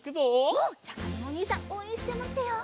うん！じゃあかずむおにいさんおうえんしてまってよう。